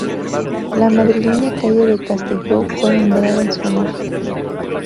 La madrileña calle de Castelló fue nombrada en su honor.